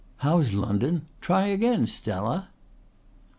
"How's London? Try again, Stella!"